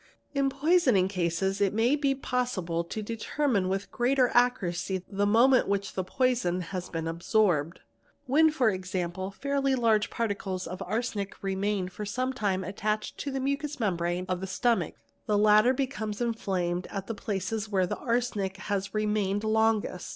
In poisoning cases it may be possible to determine with greater accuracy the moment when the poison has been absorbed. When, e.g., fairly large particles of arsenic remain for some time attached to the mucous membrane of the stomach, the latter becomes enflamed at the places where the arsenic has remained longest.